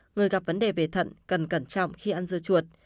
người gặp vấn đề về thận cần cẩn trọng khi ăn dưa chuột